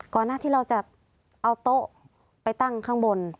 หน้าที่เราจะเอาโต๊ะไปตั้งข้างบน